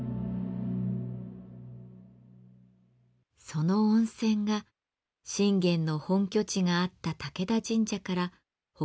その温泉が信玄の本拠地があった武田神社から北東に約２０キロ